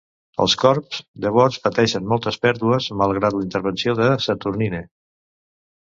Els Corps llavors pateixen moltes pèrdues, malgrat la intervenció de Saturnyne.